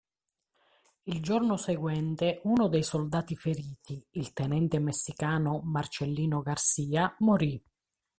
Il giorno seguente uno dei soldati feriti, il tenente messicano Marcellino Garcia, morì.